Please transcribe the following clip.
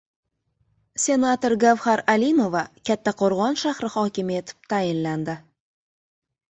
Senator Gavhar Alimova Kattaqo‘rg‘on shahri hokimi etib tayinlandi